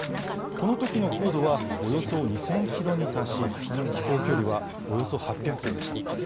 このときの高度はおよそ２０００キロに達し、飛行距離はおよそ８００キロでした。